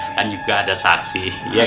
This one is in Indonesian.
kan juga ada saksi